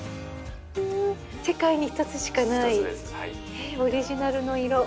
世界に１つしかないオリジナルの色。